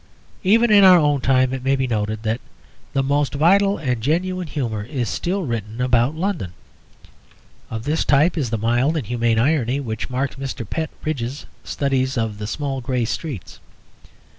Even in our own time it may be noted that the most vital and genuine humour is still written about London. Of this type is the mild and humane irony which marks Mr. Pett Ridge's studies of the small grey streets.